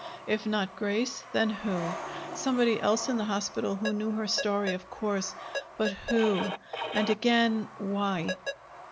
If not Grace, then who? Somebody else in the hospital who knew her story, of course. But who? And again why?